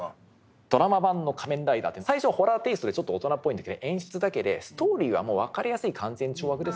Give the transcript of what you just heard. ドラマ版の「仮面ライダー」って最初ホラーテイストでちょっと大人っぽいんだけど演出だけでストーリーはもう分かりやすい勧善懲悪ですよ。